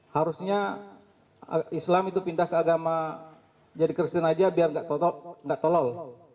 harusnya islam itu pindah ke agama jadi kristen aja biar nggak tolol